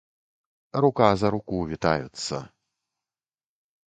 Рука за руку вітаюцца.